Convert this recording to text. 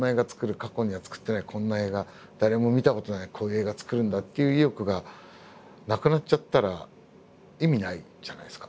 過去には作ってないこんな映画誰も見たことないこういう映画を作るんだっていう意欲がなくなっちゃったら意味ないじゃないですか。